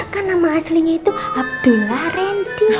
kan nama aslinya itu abdullah randy